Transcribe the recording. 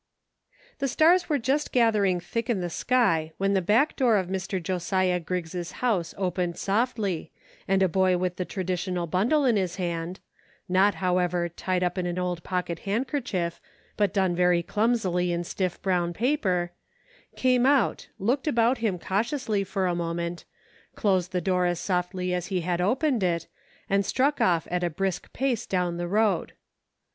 THE stars were just gathering thick in the sky when the back door of Mr. Josiah Griggs' house opened softly, and a boy with the traditional bundle in his hand — not, however, "tied up in an old pocket handkerchief," but done very clumsily in stiff brown paper — came out, looked about him cautiously for a moment, closed the door as softly as he had opened it, and struck off at a brisk pace down the road.